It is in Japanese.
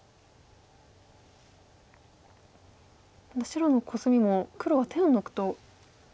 白のコスミも黒は手を抜くと。